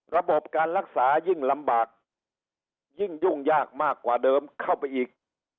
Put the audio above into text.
ระบบการรักษายิ่งลำบากยิ่งยุ่งยากมากกว่าเดิมเข้าไปอีก